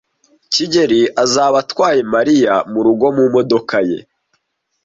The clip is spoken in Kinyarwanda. kigeli azaba atwaye Mariya murugo mumodoka ye.